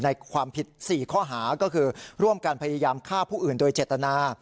ในความผิด๔ข้อหาก็คือร่วมกันพยายามฆ่าผู้อื่นโดยเจตนา